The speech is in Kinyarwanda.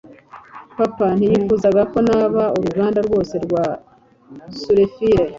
papa ntiyifuzaga ko naba uruganda rwose rwa surefire